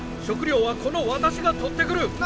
食料はこの私が取ってくる！